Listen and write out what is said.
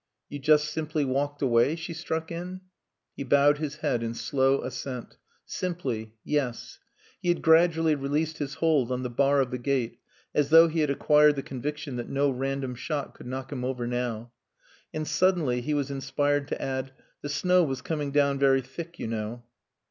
"You just simply walked away?" she struck in. He bowed his head in slow assent. "Simply yes." He had gradually released his hold on the bar of the gate, as though he had acquired the conviction that no random shot could knock him over now. And suddenly he was inspired to add, "The snow was coming down very thick, you know."